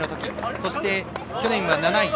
そして、去年は７位。